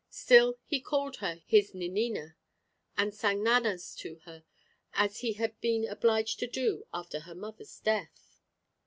Still he called her his "Ninnina," and sang nannas to her, as he had been obliged to do after her mother's death.